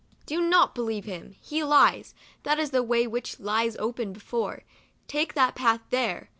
" Do not believe him ; he lies ; that is the way which lies open before. Take that path there.